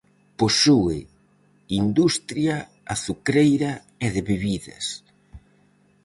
Posúe industria azucreira e de bebidas.